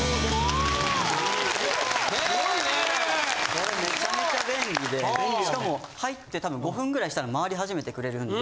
これめちゃめちゃ便利でしかも入って多分５分ぐらいしたら回り始めてくれるんで。